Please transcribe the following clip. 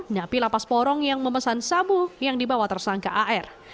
napi lapas porong yang memesan sabu yang dibawa tersangka ar